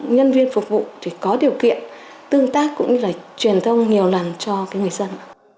nhân viên phục vụ thì có điều kiện tương tác cũng như là truyền thông nhiều lần cho người dân